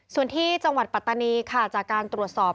ส่วนที่จังหวัดปัตตานีค่ะจากการตรวจสอบ